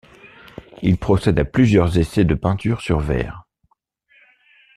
Il procède à plusieurs essais de peinture sur verre.